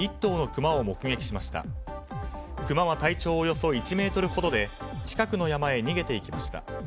クマは体長およそ１ｍほどで近くの山へ逃げていきました。